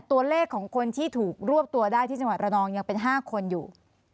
ตัวเลขของคนที่ถูกรวบตัวได้ที่จังหวัดระนองยังเป็น๕คนอยู่